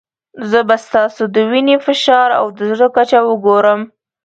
زه به ستاسو د وینې فشار او د زړه کچه وګورم.